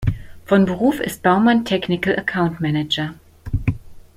Von Beruf ist Baumann Technical Account Manager.